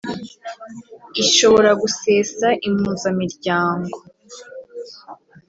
ishobora gusesa Impuzamiryango